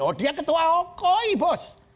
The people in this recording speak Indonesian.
oh dia ketua koi bos